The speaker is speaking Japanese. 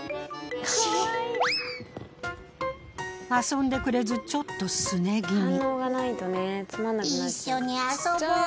遊んでくれずちょっとすね気味。